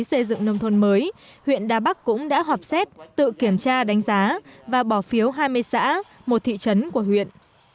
xây dựng nông thôn mới huyện đà bắc cũng đã họp xét tự kiểm tra đánh giá và bỏ phiếu hai mươi xã một thị trấn của huyện